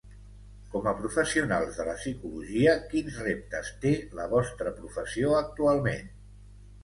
Com a professionals de la psicologia quins reptes té la vostra professió actualment?